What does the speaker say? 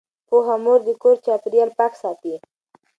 پوهه مور د کور چاپیریال پاک ساتي۔